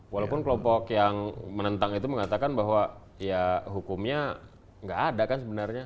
walaupun kelompok yang menentang itu mengatakan bahwa ya hukumnya nggak ada kan sebenarnya